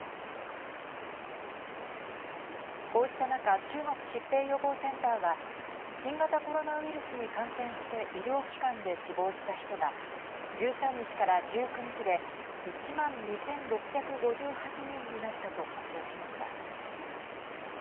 こうした中中国疾病予防センターは新型コロナウイルスに感染して医療機関で死亡した人が１３日から１９日で１万２６５８人になったと発表しました。